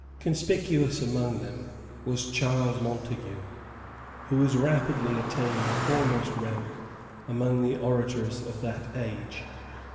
Conspicuous among them was Charles Montague, who was rapidly attaining a foremost rank among the orators of that age.